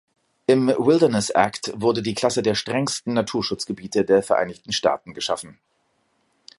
Im Wilderness Act wurde die Klasse der strengsten Naturschutzgebiete der Vereinigten Staaten geschaffen.